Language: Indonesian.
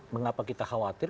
mengapa kita khawatir